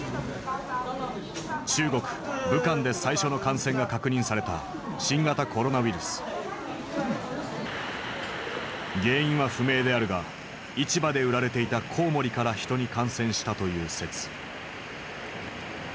中国武漢で最初の感染が確認された原因は不明であるが市場で売られていたこうもりから人に感染したという説。